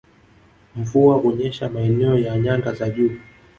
Mvua hunyesha maeneo ya nyanda za juu